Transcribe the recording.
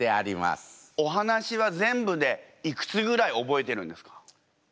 お話は全部でいくつぐらい覚えてるんですか？